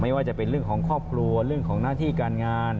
ว่าจะเป็นเรื่องของครอบครัวเรื่องของหน้าที่การงาน